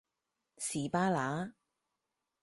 士巴拿